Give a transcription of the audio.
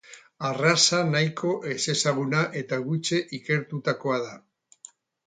Arraza nahiko ezezaguna eta gutxi ikertutakoa da.